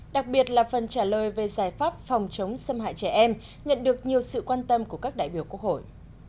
đặc biệt là phần trả lời về giải pháp phòng chống xâm hại trẻ em nhận được nhiều sự quan tâm của các đại biểu quốc hội